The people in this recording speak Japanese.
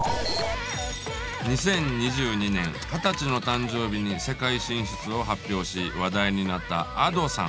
２０２２年二十歳の誕生日に世界進出を発表し話題になったＡｄｏさん。